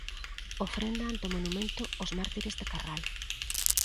Ofrenda ante o monumento aos mártires de Carral.